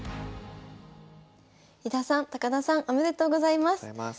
井田さん高田さんおめでとうございます。